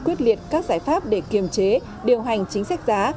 quyết liệt các giải pháp để kiềm chế điều hành chính sách giá